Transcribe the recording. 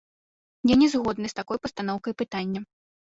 Я не згодны з такой пастаноўкай пытання.